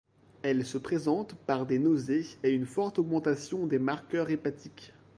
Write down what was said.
Elle se présente par des nausées et une forte augmentation des marqueurs hépatiques.